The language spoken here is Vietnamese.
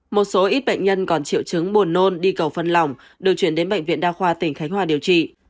một số ít bệnh nhân còn triệu chứng buồn nôn đi cầu phân lòng được chuyển đến bệnh viện đa khoa tỉnh khánh hòa điều trị